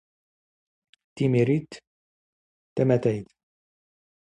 ⵜⵉⵎⵉⵔⵉⵜ ⵜⴰⵎⴰⵜⴰⵢⵜ.